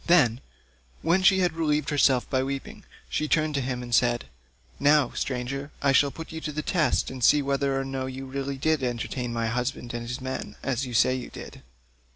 Then, when she had relieved herself by weeping, she turned to him again and said: "Now, stranger, I shall put you to the test and see whether or no you really did entertain my husband and his men, as you say you did.